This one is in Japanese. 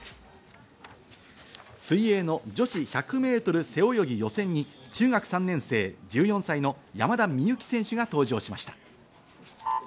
水泳の女子１００ｍ背泳ぎ予選に中学３年生、１４歳の山田美幸選手が登場しました。